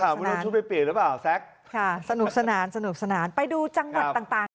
รักษาทวิทย์ทอมยอยไซรัสทีวีรายการส่วนจากสถานการณ์ทะวันเท้าสานครับ